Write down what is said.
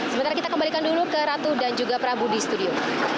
sementara kita kembalikan dulu ke ratu dan juga prabu di studio